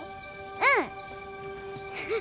うん！